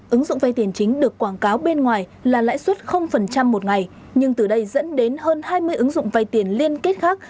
ứng dụng vay tiền chính được quảng cáo bên ngoài là lãi suất một ngày nhưng từ đây dẫn đến hơn hai mươi ứng dụng vay tiền liên kết khác